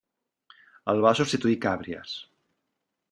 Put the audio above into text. El va substituir Càbries.